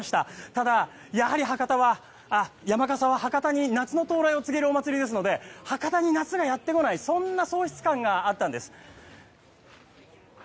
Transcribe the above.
ただ、やはり山笠は博多に夏の到来を伝えるお祭りですので博多に夏がやってこないそんな喪失感があったんです。